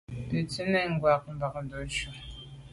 Bín tsín nə̀ ngə́ kwâ’ mbâdə́ cú.